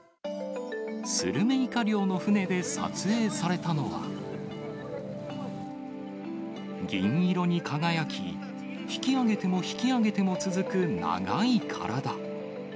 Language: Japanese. スルメイカ漁の船で撮影されたのは、銀色に輝き、引き上げても引き上げても続く長い体。